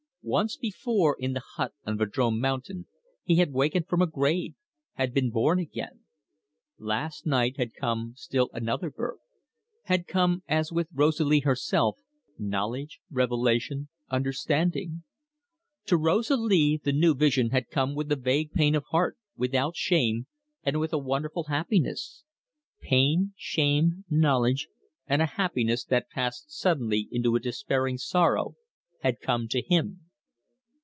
Once before, in the hut on Vadrome Mountain, he had wakened from a grave, had been born again. Last night had come still another birth, had come, as with Rosalie herself, knowledge, revelation, understanding. To Rosalie the new vision had come with a vague pain of heart, without shame, and with a wonderful happiness. Pain, shame, knowledge, and a happiness that passed suddenly into a despairing sorrow, had come to him.